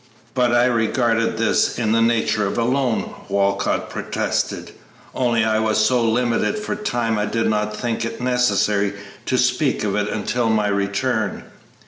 "But I regarded this in the nature of a loan," Walcott protested, "only I was so limited for time I did not think it necessary to speak of it until my return."